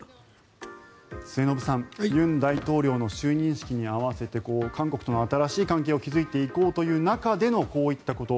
末延さん、尹大統領の就任式に合わせて韓国との新しい関係を築いていこうという中でのこういったこと。